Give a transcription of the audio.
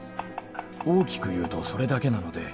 「大きく言うとそれだけなので」